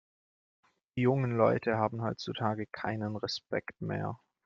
Die jungen Leute haben heutzutage keinen Respekt mehr!